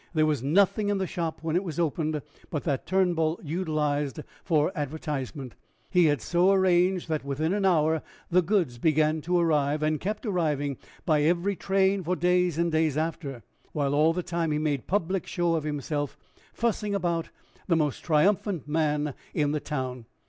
There was nothing in the shop when it was opened, but that Turnbull utilized for advertisement: he had so arranged, that within an hour the goods began to arrive, and kept arriving, by every train, for days and days after, while all the time he made public show of himself, fussing about, the most triumphant man in the town.